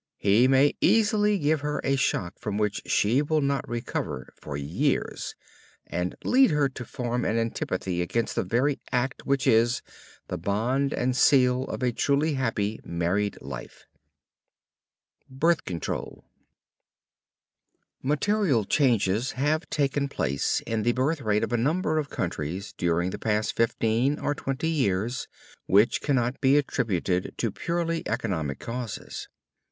He may easily give her a shock from which she will not recover for years, and lead her to form an antipathy against the very act which is "the bond and seal of a truly happy married life." BIRTH CONTROL Material changes have taken place in the birth rate of a number of countries during the past fifteen or twenty years which cannot be attributed to purely economic causes.